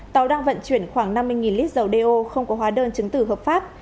tàu đang vận chuyển khoảng năm mươi lít dầu đeo không có hóa đơn chứng tử hợp pháp